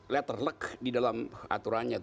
letter luck di dalam aturannya